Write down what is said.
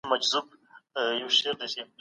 ترڅو تاسو ته غوره خدمت وړاندې کړو.